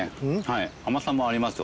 甘さもありますよね。